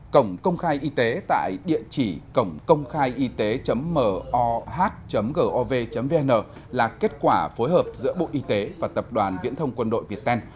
cổng công khai y tế tại địa chỉ cổngcôngkhaiyt moh gov vn là kết quả phối hợp giữa bộ y tế và tập đoàn viễn thông quân đội việt tên